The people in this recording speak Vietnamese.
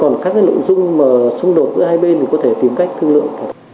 còn các nội dung mà xung đột giữa hai bên thì có thể tìm cách thương lượng